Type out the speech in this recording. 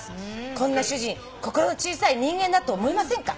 「こんな主人心の小さい人間だと思いませんか？」